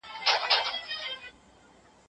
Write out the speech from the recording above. که نجونې بې ځایه نه شي نو ژوند به نه سختیږي.